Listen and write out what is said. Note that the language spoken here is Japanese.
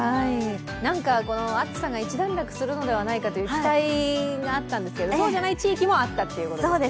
なんかこの暑さが一段落するのではないかという期待もあったんですけど、そうじゃない地域もあったということですね。